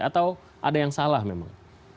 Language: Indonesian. atau ada yang salah memang